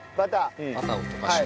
バターを溶かします。